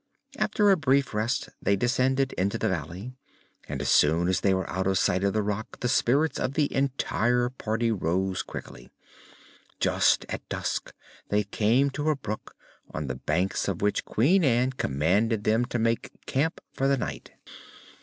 After a brief rest they descended into the valley, and as soon as they were out of sight of the Rak the spirits of the entire party rose quickly. Just at dusk they came to a brook, on the banks of which Queen Ann commanded them to make camp for the night.